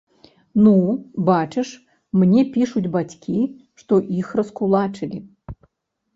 Ну, бачыш, мне пішуць бацькі, што іх раскулачылі.